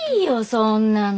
そんなの。